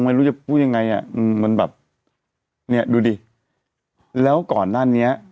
ไม่รู้จะพูดยังไงอ่ะอืมมันแบบเนี้ยดูดิแล้วก่อนหน้านี้